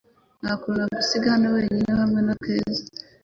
Nta kuntu nagusiga hano wenyine hamwe na Keza.